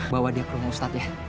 bawa dia ke rumah ustadz ya